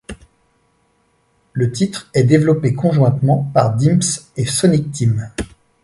Le titre est développé conjointement par Dimps et Sonic Team.